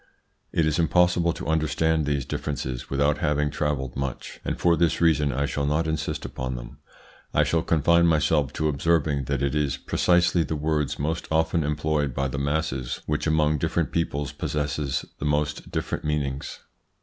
It is impossible to understand these differences without having travelled much, and for this reason I shall not insist upon them. I shall confine myself to observing that it is precisely the words most often employed by the masses which among different peoples possess the most different meanings.